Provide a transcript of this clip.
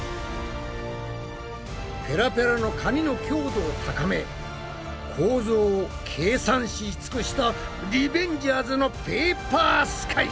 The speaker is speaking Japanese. ペラペラの紙の強度を高め構造を計算し尽くしたリベンジャーズのペーパースカイ！